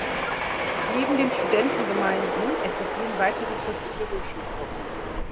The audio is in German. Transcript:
Neben den Studentengemeinden existieren weitere christliche Hochschulgruppen.